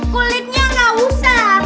kulitnya gak usah